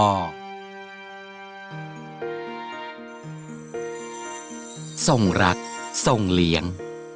ทรงรักทรงเลี้ยง